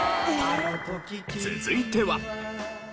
続いては。